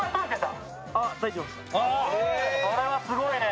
それはすごいね。